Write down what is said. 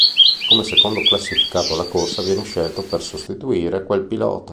Come secondo classificato alla corsa, viene scelto per sostituire quel pilota.